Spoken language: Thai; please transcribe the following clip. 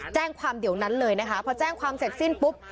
แจ้งความเดี๋ยวนั้นเลยนะคะพอแจ้งความเสร็จสิ้นปุ๊บ